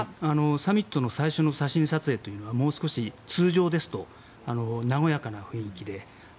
サミットの最初の写真撮影というのはもう少し、通常ですと和やかな雰囲気で。